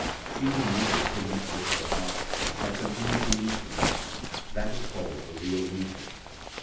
She who meeteth Him with her heart shall continue to meet Him ; that is called a real meeting.